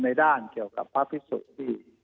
ในด้านเกี่ยวกับพระพิสุที่